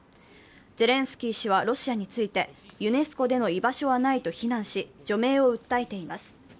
ゼレンスキー氏はロシアについて、ユネスコでの居場所はないと非難し、除名を訴えています。